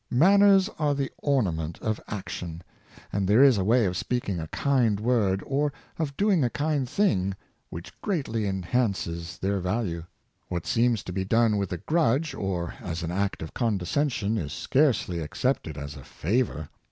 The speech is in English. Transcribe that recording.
Manners are the ornament of action; and there is a way of speaking a kind word, or of doing a kind thing, which greatly enhances their value. What seems to be done with a grudge, or as an act of condescension, is scarcely accepted as a favor.